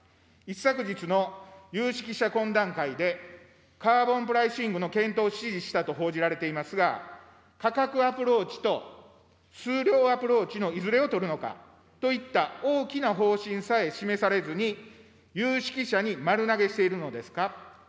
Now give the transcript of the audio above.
一昨日の有識者懇談会で、カーボンプライシングの検討を指示したと報じられていますが、価格アプローチと数量アプローチのいずれを取るのかといった大きな方針さえ示されずに、有識者に丸投げしているのですか。